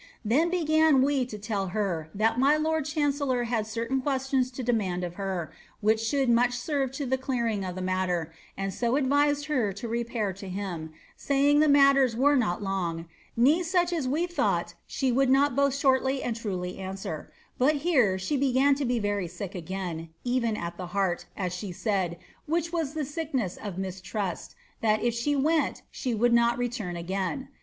Then began we to tell t thai my lord chancellor had certain questions lo demand of her, tch should much serve to the clearing t>f tlie matter, and so advised ■ to repair to him, saying the matters were not long, na such as wb ight she would not both shortly and irnly auswer; but here she a to be very sick again, ' even at the heari,' as she said, which waa i aickneaa of mistrust, that if she went she should not return again.